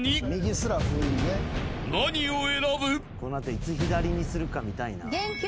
［何を選ぶ？］